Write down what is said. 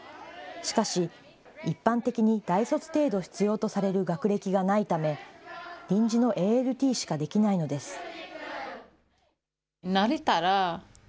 しかし、一般的に大卒程度必要とされる学歴がないため、臨時のＡＬＴしかできないのです。